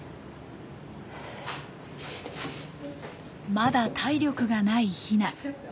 まだ体力がないヒナ。